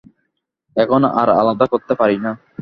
এখন আর আলাদা করতে পারি না।